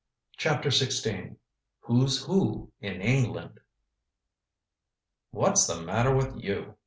CHAPTER XVI WHO'S WHO IN ENGLAND "What's the matter with you?"